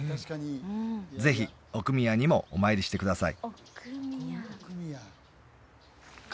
ぜひ奥宮にもお参りしてください